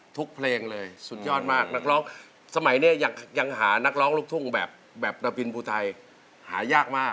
เพลงเลยสุดยอดมากนักร้องสมัยนี้ยังหานักร้องลูกทุ่งแบบระบินภูไทยหายากมาก